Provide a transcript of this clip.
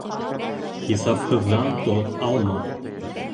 Хисапһыҙҙан тоҙ алма.